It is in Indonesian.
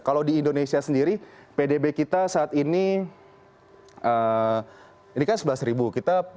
kalau di indonesia sendiri pdb kita saat ini ini kan sebelas ribu